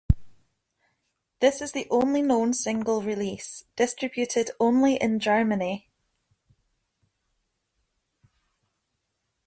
This is the only known single release, distributed only in Germany.